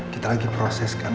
kita lagi proses kan